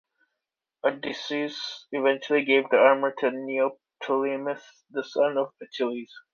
Odysseus eventually gave the armour to Neoptolemus, the son of Achilles.